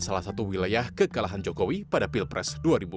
salah satu wilayah kekalahan jokowi pada pilpres dua ribu empat belas